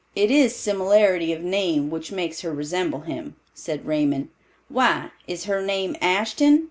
"It is similarity of name which makes her resemble him," said Raymond. "Why, is her name Ashton?"